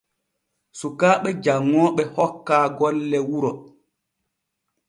Sukaaɓe janŋooɓe hokkaa golle wuro.